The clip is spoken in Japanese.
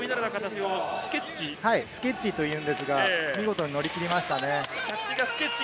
スケッチというのですが見事に乗り切りましたね。